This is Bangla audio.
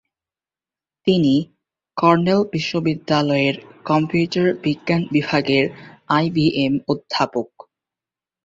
তিনি কর্নেল বিশ্ববিদ্যালয়ের কম্পিউটার বিজ্ঞান বিভাগের আইবিএম অধ্যাপক।